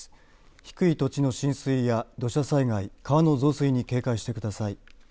低い土地の浸水や土砂災害川の増水に警戒してください。